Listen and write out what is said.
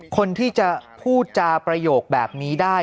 คนที่จะพูดจาประโยคแบบนี้ได้